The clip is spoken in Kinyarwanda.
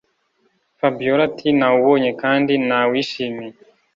fabiora ati”nawubonye kandi nawishimiye”